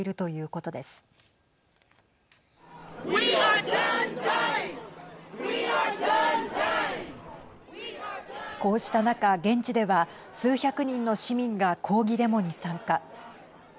こうした中現地では数百人の市民が抗議デモに参加。